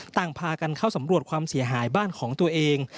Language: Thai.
ต่างพากันเข้าสำรวจความเสียหายบ้านของตัวเอง